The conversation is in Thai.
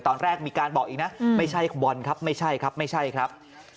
ตอนแรกมีการบอกอีกนะไม่ใช่บอลครับไม่ใช่ครับไม่ใช่ครับ